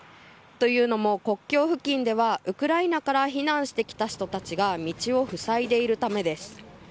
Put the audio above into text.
というのも国境付近ではウクライナから避難してきた人たちが道を塞いでいるためです。